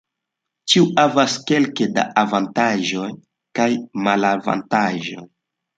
Ĉiu havas kelke da avantaĝoj kaj malavantaĝoj.